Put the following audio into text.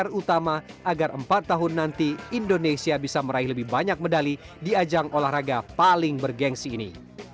pr utama agar empat tahun nanti indonesia bisa meraih lebih banyak medali di ajang olahraga paling bergensi ini